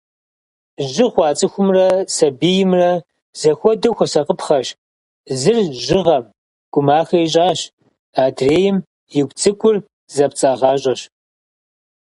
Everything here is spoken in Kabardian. Жьы хъуа цӏыхумрэ, сэбиймрэ, зэхуэдэу хуэсакъыпхъэщ. Зыр жьыгъэм гумахэ ищӏащ, адрейм игу цӏыкӏур зэпцӏагъащӏэщ.